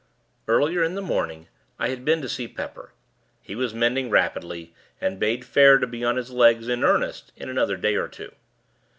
Earlier in the morning, I had been to see Pepper. He was mending, rapidly; and bade fair to be on his legs, in earnest, in another day or two.